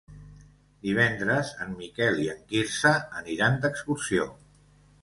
Divendres en Miquel i en Quirze aniran d'excursió.